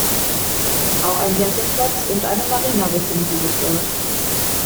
Auch ein Campingplatz und eine Marina befinden sich dort.